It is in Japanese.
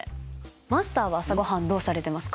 マスターは朝ごはんどうされてますか？